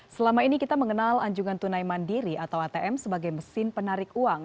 selama ini kita mengenal anjungan tunai mandiri atau atm sebagai mesin penarik uang